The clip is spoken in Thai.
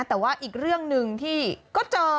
แต่ว่าอีกเรื่องหนึ่งที่ก็เจอ